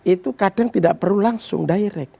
itu kadang tidak perlu langsung direct